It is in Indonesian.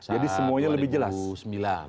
jadi semuanya lebih jelas